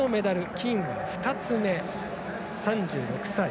金は２つ目、３６歳。